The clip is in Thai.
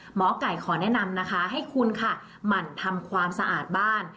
หมอไก่ขอแนะนำนะคะให้คุณค่ะหมั่นทำความสะอาดบ้าน